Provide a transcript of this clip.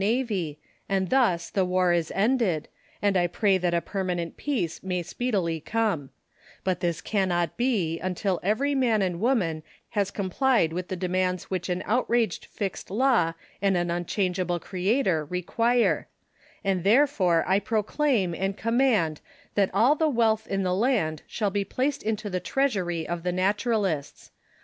373 navy, and thus the war is ended, and I pray that a perma nent peace may speedily come ; but this cannot be until every man and woman has complied with the demands which an outraged fixed law and an unchangeable Creator require ; and therefore I proclaim and command that all tlie wealth in the land shall be placed into the treasury of the Naturalists.